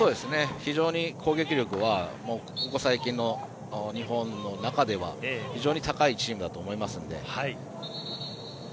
非常に攻撃力は最近の日本の中では非常に高いチームだと思いますので。